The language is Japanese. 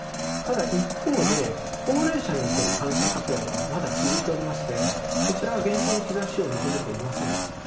ただ、一方で高齢者における感染拡大はまだ続いておりましてこちらは現象の兆しを認めていません。